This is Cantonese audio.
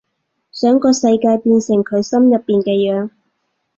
想個世界變成佢心入邊嘅樣